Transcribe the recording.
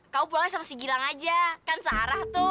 kamu pulangnya sama si gilang aja kan searah tuh